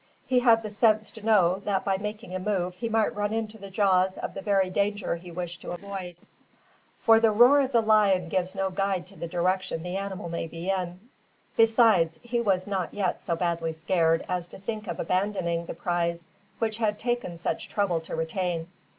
He had the sense to know that by making a move he might run into the jaws of the very danger he wished to avoid; for the roar of the lion gives no guide to the direction the animal may be in. Besides, he was not yet so badly scared as to think of abandoning the prize he had taken such trouble to retain.